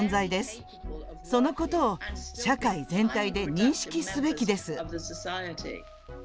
そのことを社会全体で認識すべきです。